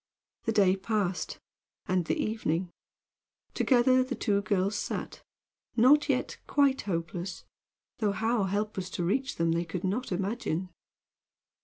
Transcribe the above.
The day passed, and the evening. Together the two girls sat, not yet quite hopeless, though how help was to reach them they could not imagine.